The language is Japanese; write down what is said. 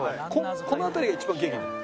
この辺りが一番元気なの。